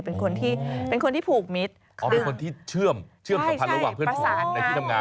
เป็นคนที่เป็นคนที่ผูกมิตรอ๋อเป็นคนที่เชื่อมสัมพันธ์ระหว่างเพื่อนฝูงในที่ทำงาน